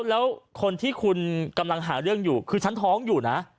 แล้วคนที่คุณกำลังหาเรื่องอยู่คือฉันท้องอยู่นะ